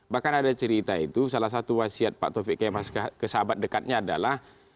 bahkan ada cerita itu salah satu wasiat pak taufik kemas ke sahabat dekatnya adalah